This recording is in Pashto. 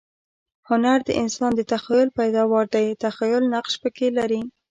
هنر د انسان د تخییل پیداوار دئ. تخییل نقش پکښي لري.